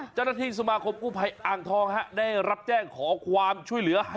เจ้าหน้าที่สมาคมกู้ภัยอ่างทองฮะได้รับแจ้งขอความช่วยเหลือ